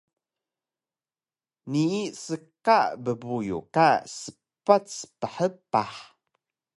Nii ska bbuyu ka spac phpah